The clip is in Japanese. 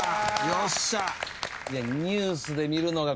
よっしゃ。